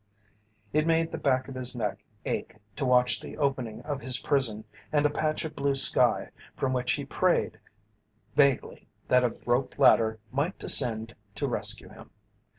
It made the back of his neck ache to watch the opening of his prison and the patch of blue sky, from which he prayed, vaguely, that a rope ladder might descend to rescue him.